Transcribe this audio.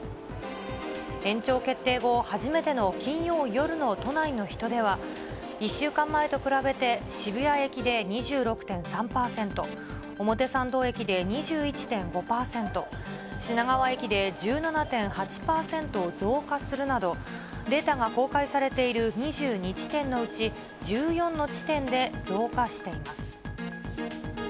延長決定後、初めての金曜夜の都内の人出は、１週間前と比べて渋谷駅で２６．３％、表参道駅で２１．５％、品川駅で１７．８％増加するなど、データが公開されている２２地点のうち、１４の地点で増加しています。